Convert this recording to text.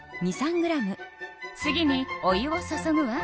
次にお湯を注ぐわ。